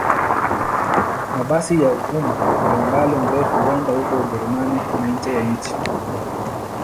Mabasi ya umma ya umbali mrefu huenda huko Ujerumani na nje ya nchi.